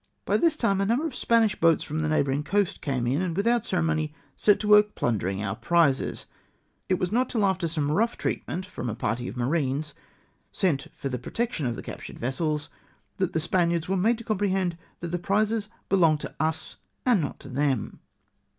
By this time a number of Spanish boats from the neighbouring coast came in, and without ceremony set to work plundering our prizes ! It was not till after some rough treatment from a party of marines sent for the protection of the captured vessels, that the Spaniards were made to comprehend that the prizes belonged to us and not to them